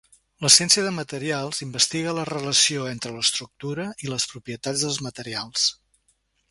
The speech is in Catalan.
La ciència de materials investiga la relació entre l'estructura i les propietats dels materials.